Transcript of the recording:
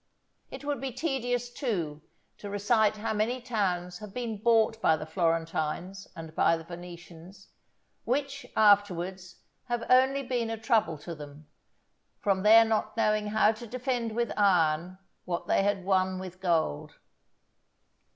It would be tedious, too, to recite how many towns have been bought by the Florentines and by the Venetians, which, afterwards, have only been a trouble to them, from their not knowing how to defend with iron what they had won with gold.